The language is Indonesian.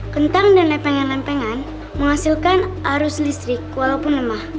kentang dan lepengan lepengan menghasilkan arus listrik walaupun lemah